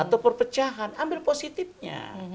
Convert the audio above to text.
atau perpecahan ambil positifnya